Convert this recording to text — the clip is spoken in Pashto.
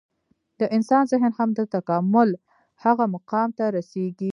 د انسان ذهن هم د تکامل هغه مقام ته رسېږي.